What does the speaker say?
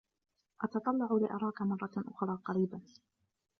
أتطلع لأراكَ مرةً أخرى قريباً.